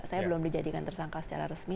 saya belum dijadikan tersangka secara resmi